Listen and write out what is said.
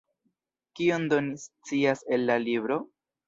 Kion do ni scias el la libro?